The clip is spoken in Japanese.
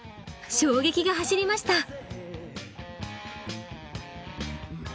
衝撃が走りました。